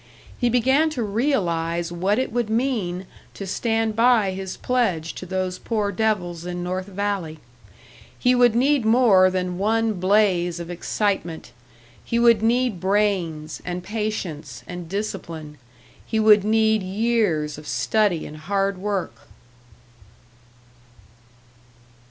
He began to realise what it would mean to stand by his pledge to those poor devils in North Valley. He would need more than one blaze of excitement; he would need brains and patience and discipline, he would need years of study and hard work!